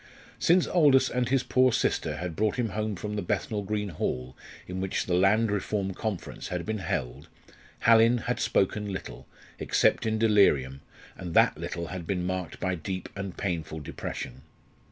Since Aldous and his poor sister had brought him home from the Bethnal Green hall in which the Land Reform Conference had been held, Hallin had spoken little, except in delirium, and that little had been marked by deep and painful depression.